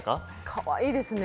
かわいいですね。